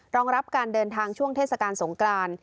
รองรับการเดินทางช่วงเทศกาลสงกราน